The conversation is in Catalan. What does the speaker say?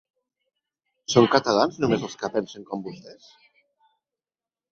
Són catalans només els que pensen com vostès?